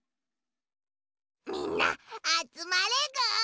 みんなあつまれぐ！